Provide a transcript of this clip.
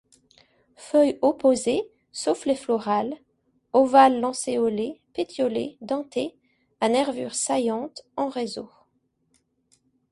Feuilles opposées sauf les florales, ovales-lancéolées, pétiolées, dentées, à nervures saillantes en réseau.